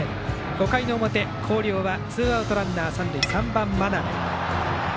５回の表、広陵はツーアウトランナー、三塁３番の真鍋。